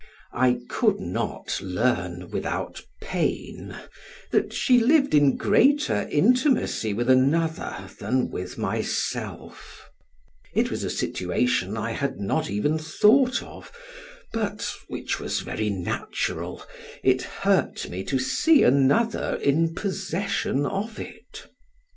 I could not learn, without pain, that she lived in greater intimacy with another than with myself: it was a situation I had not even thought of, but (which was very natural) it hurt me to see another in possession of it.